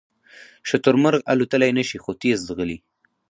شترمرغ الوتلی نشي خو تېز ځغلي